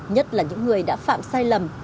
nhất là những người đã phạm sai lầm